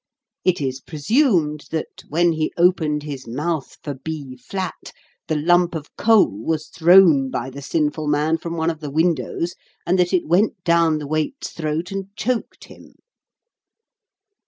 It is presumed that, when he opened his mouth for B flat, the lump of coal was thrown by the sinful man from one of the windows, and that it went down the wait's throat and choked him."